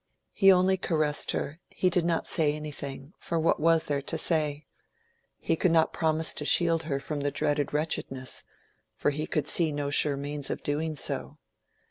He only caressed her; he did not say anything; for what was there to say? He could not promise to shield her from the dreaded wretchedness, for he could see no sure means of doing so.